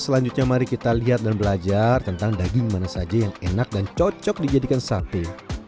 selanjutnya mari kita lihat dan belajar tentang daging mana saja yang enak dan cocok dijadikan sate